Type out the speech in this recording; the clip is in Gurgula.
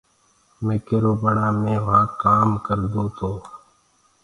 مي ڪيرو ٻڙآ مي وهآنٚ ڪآم ڪردونٚ تو